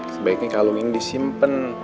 sebaiknya kalung ini disimpen